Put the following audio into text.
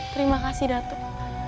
terima kasih datuk